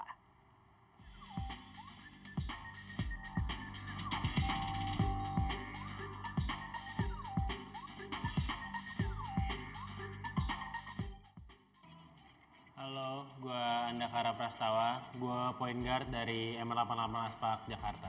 halo gue andakara prastawa gue point guard dari mr delapan puluh delapan aspak jakarta